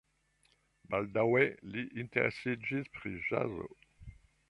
Baldaŭe li interesiĝis pri ĵazo.